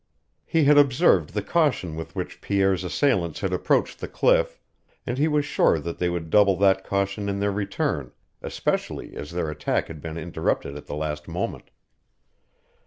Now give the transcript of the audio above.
He had observed the caution with which Pierre's assailants had approached the cliff, and he was sure that they would double that caution in their return, especially as their attack had been interrupted at the last moment.